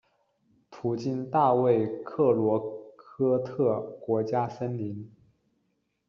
途经大卫克洛科特国家森林。